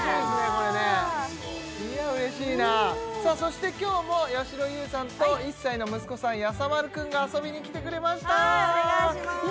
これねいや嬉しいなそして今日もやしろ優さんと１歳の息子さんやさ丸君が遊びにきてくれましたお願いします